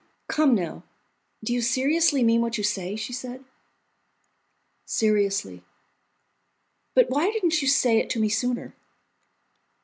"Come, now, do you seriously mean what you say?" she said. "Seriously." "But why didn't you say it to me sooner?"